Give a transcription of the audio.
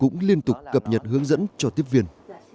cũng liên tục cập nhật hướng dẫn cho tiếp viên